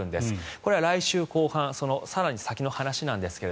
これは来週後半更に先の話ですが。